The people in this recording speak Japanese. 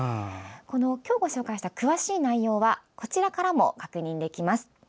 今日、ご紹介した詳しい内容はこちらからも確認できます。